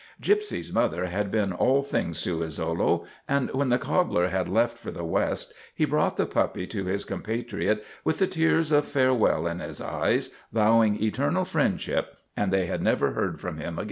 Gypsy's mother had been all things to Izzolo, and when the cobbler had left for the West he brought the puppy to his compatriot with the tears of fare well in his eyes, vowing eternal friendship, and they had never heard from him again.